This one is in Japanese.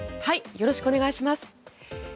よろしくお願いします。